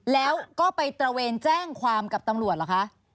แล้วก็ไปตระเวนแจ้งความกับตำรวจเหรอคะ